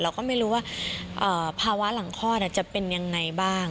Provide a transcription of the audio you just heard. เราก็ไม่รู้ว่าภาวะหลังคลอดจะเป็นยังไงบ้าง